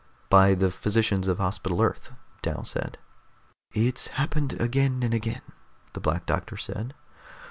"By the physicians of Hospital Earth," Dal said. "It's happened again and again," the Black Doctor said.